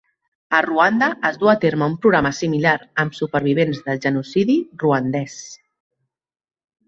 A Ruanda, es duu a terme un programa similar amb supervivents del genocidi ruandès.